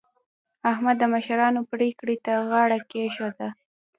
احمد د مشرانو پرېکړې ته غاړه کېښودله.